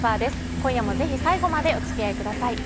今夜もぜひ最後までお付き合いください。